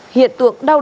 hiện tượng đau khổ